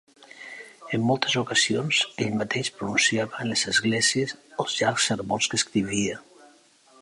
En moltes ocasions ell mateix pronunciava en les esglésies els llargs sermons que escrivia.